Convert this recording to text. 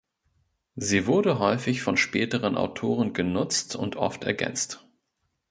Sie wurde häufig von späteren Autoren genutzt und oft ergänzt.